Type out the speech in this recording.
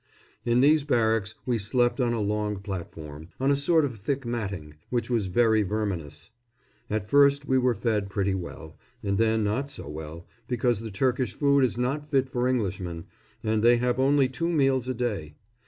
In these barracks we slept on a long platform, on a sort of thick matting, which was very verminous. At first we were fed pretty well, and then not so well, because the Turkish food is not fit for Englishmen, and they have only two meals a day.